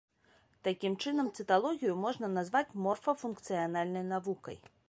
Такім чынам цыталогію можна назваць морфафункцыянальнай навукай.